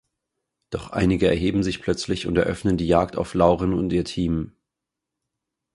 Doch einige erheben sich plötzlich und eröffnen die Jagd auf Lauren und ihr Team.